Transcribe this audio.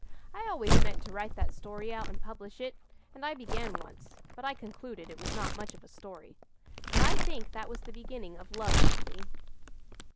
"I always meant to write that story out and publish it, and I began once; but I concluded it was not much of a story. "But I think that was the beginning of love with me."